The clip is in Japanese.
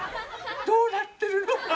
どうなってるの？